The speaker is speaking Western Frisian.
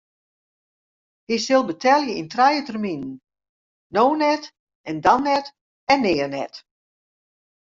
Hy sil betelje yn trije terminen: no net en dan net en nea net.